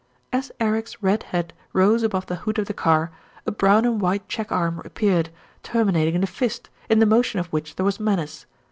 As Eric's red head rose above the hood of the car, a brown and white check arm appeared, terminating in a fist, in the motion of which there was menace.